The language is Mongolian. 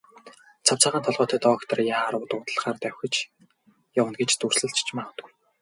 Цав цагаан толгойтой доктор яаруу дуудлагаар давхиж явна гэж дүрсэлж ч магадгүй.